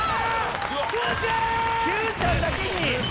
Ｑちゃんだけに！